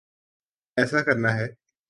ایسا کرنا ہے۔